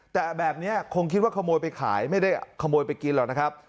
แต่แบบนี้คงคิดว่าขโมยไปขายไม่ได้ขโมยไปกินหรอกนะครับ